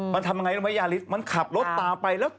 มันทำอย่างไรแล้วมันขับรถต่อไปแล้ว